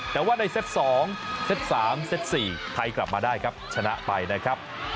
แต่ว่าในเซต๒เซต๓เซต๔ไทยกลับมาได้ครับชนะไปนะครับ